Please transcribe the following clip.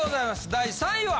第３位は！